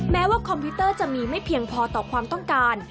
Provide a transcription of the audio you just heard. แม้ว่าคอมพิวเตอร์จะมีไม่เพียงพอต่อความต้องการ